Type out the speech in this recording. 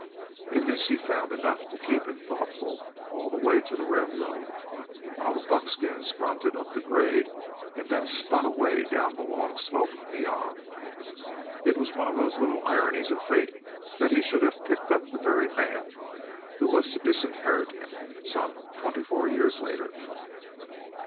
In this he found enough to keep him thoughtful all the way to the railroad while the buckskins grunted up the grade and then spun away down the long slope beyond. It was one of those little ironies of fate that he should have picked up the very man who was to disinherit him some twenty four years later.